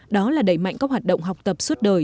đó là đẩy mạnh các hoạt động học tập suốt đời